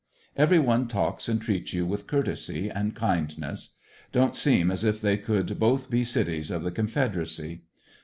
Every one talks and treats you with courtesy and kind ness. Don't seem as if they could both be cities of the Confed eracy.